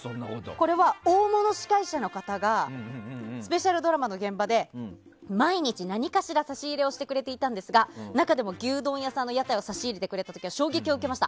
これは、大物司会者の方がスペシャルドラマの現場で毎日、何かしら差し入れをしてくれていたんですが中でも牛丼屋さんの屋台を差し入れてくれた時は衝撃を受けました。